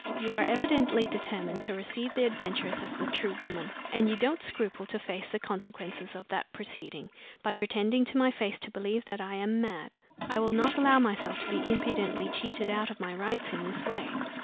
You are evidently determined to receive the adventuress as the true woman; and you don't scruple to face the consequences of that proceeding, by pretending to my face to believe that I am mad. I will not allow myself to be impudently cheated out of my rights in this way.